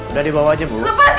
udah dibawa aja bu